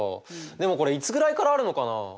でもこれいつぐらいからあるのかな？